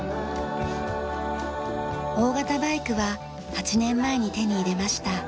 大型バイクは８年前に手に入れました。